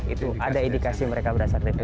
itu ada indikasi mereka berasal dari filipina